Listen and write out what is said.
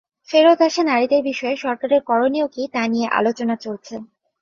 ফেরত আসা নারীদের বিষয়ে সরকারের করণীয় কী, তা নিয়ে আলোচনা চলছে।